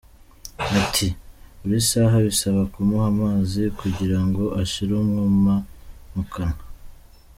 Ati “ Buri saha bisaba kumuha amazi kugira ngo ashire umwuma mu kanwa.